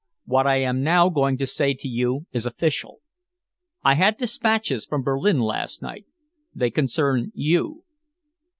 What I am now going to say to you is official. I had despatches from Berlin last night. They concern you."